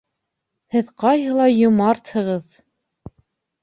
Һеҙ ҡайһылай йомартһығыҙ!